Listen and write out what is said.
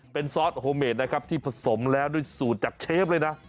เป็นซอสโฮเมดนะครับที่ผสมแล้วด้วยสูตรจากเชฟเลยนะ